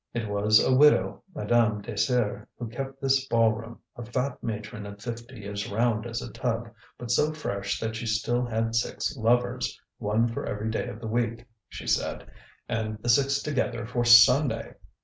It was a widow, Madame Désir, who kept this ball room, a fat matron of fifty, as round as a tub, but so fresh that she still had six lovers, one for every day of the week, she said, and the six together for Sunday.